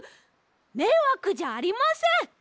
めいわくじゃありません！